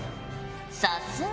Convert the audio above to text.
さすが。